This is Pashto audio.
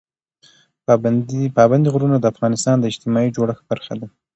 پابندي غرونه د افغانستان د اجتماعي جوړښت برخه ده.